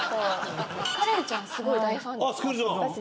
カレンちゃんすごい大ファン。